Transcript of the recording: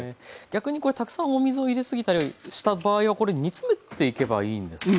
逆にこれたくさんお水を入れ過ぎたりした場合は煮詰めていけばいいんですか？